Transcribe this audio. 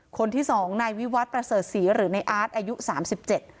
คนที่สองนายวิวัตรประเสริฐศรีหรือในอาร์ตอายุสามสิบเจ็ด